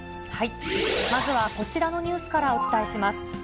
まずはこちらのニュースからお伝えします。